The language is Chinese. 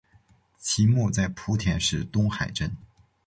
其墓在莆田市东海镇。